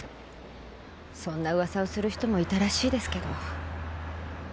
そんな噂をする人もいたらしいですけど。